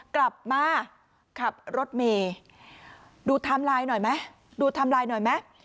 กลับมาขับรถเมย์ดูไทม์ไลน์หน่อยไหมดูไทม์ไลน์หน่อยไหม